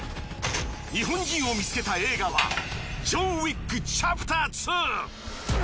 日本人を見つけた映画は『ジョン・ウィック：チャプター２』。